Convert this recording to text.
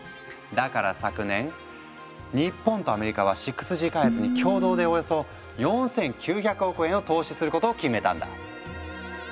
だから昨年日本とアメリカは６Ｇ開発に共同でおよそ４，９００億円を投資することを決めたんだ。